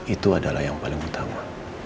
itu adalah yang paling utama